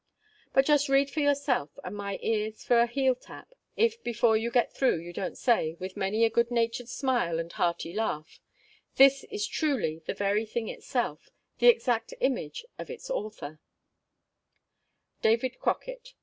But just read for yourself, and my ears for a heel tap, if before you get through you don't say, with many a good natured smile and hearty laugh, "This is truly the very thing itself the exact image of its Author, DAVID CROCKETT."